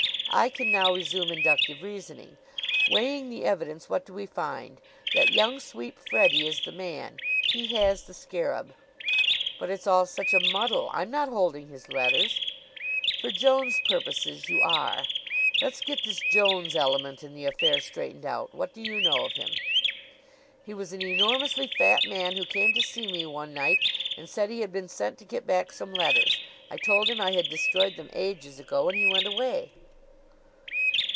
I can now resume inductive reasoning. Weighing the evidence, what do we find? That young sweep, Freddie, is the man. He has the scarab." "But it's all such a muddle. I'm not holding his letters." "For Jones' purposes you are. Let's get this Jones element in the affair straightened out. What do you know of him?" "He was an enormously fat man who came to see me one night and said he had been sent to get back some letters. I told him I had destroyed them ages ago and he went away."